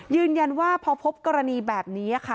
ยืนยันว่าพอพบกรณีแบบนี้ค่ะ